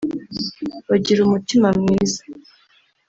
bagira umutima mwiza